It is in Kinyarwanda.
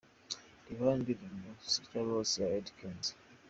Reba hano indirimbo “Sitya Loss” ya Eddy Kenzo .